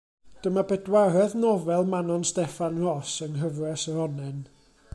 Dyma bedwaredd nofel Manon Steffan Ros yng nghyfres yr Onnen.